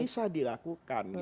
itu bisa dilakukan